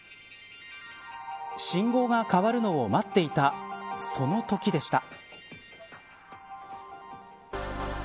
信号が変わるのを待っていたそのときでした。